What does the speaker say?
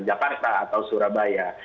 jakarta atau surabaya